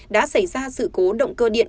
đã xảy ra sự cố động cơ điện